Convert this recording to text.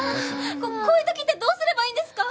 こういう時ってどうすればいいんですか？